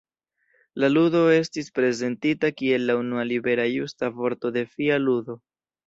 La ludo estis prezentita kiel la unua libera justa vorto-defia ludo.